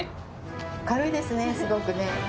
軽いですねすごくね。